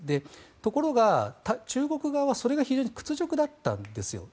ところが、中国側はそれが非常に屈辱だったんです。